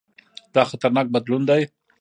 دا خطرناک بدلون دی.